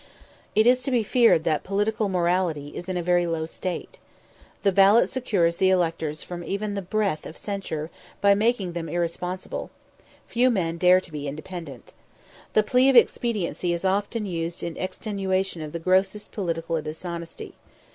It is to be feared that political morality is in a very low state. The ballot secures the electors from even the breath of censure by making them irresponsible; few men dare to be independent. The plea of expediency is often used in extenuation of the grossest political dishonesty.